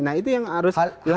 nah itu yang harus